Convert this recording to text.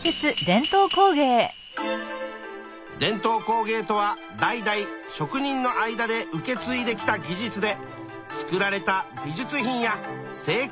伝統工芸とは代々職人の間で受けついできた技術で作られた美術品や生活道具のこと。